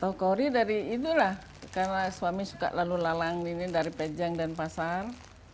tau kaori dari inilah karena suami suka lalu lalang ini dari pejang dan pasar